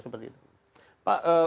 seperti itu pak